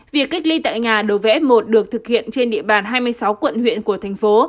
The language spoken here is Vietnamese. việc cách ly tại nhà đối với f một được thực hiện trên địa bàn hai mươi sáu quận huyện của thành phố